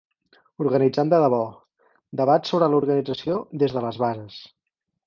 Organitzant de debò: debat sobre l'organització des de les bases.